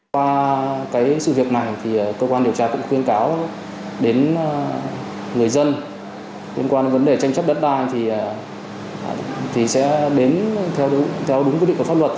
qua cái sự việc này thì cơ quan điều tra cũng khuyên cáo đến người dân liên quan đến vấn đề tranh chấp đất đai thì sẽ đến theo đúng quy định của pháp luật